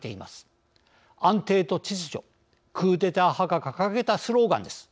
安定と秩序クーデター派が掲げたスローガンです。